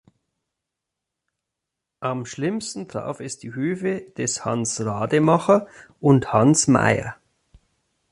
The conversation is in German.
Am schlimmsten traf es die Höfe des Hans Rademacher und Hans Meyer.